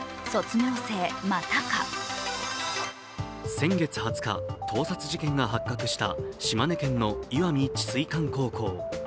先月２０日、盗撮事件が発覚した島根県の石見智翠館高校。